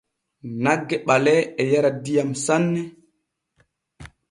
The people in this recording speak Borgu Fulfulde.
Nagge ɓalee e yara diyam sanne.